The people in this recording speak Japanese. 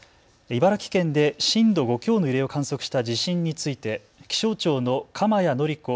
茨城県で震度５強の揺れを観測した地震について気象庁の鎌谷紀子